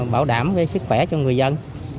bảo đảm sức khỏe cho người dân